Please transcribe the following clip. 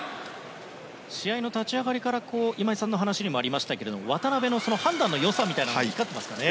試合の立ち上がりから今井さんの話にもありましたが渡辺の判断のよさみたいなものも光ってますかね。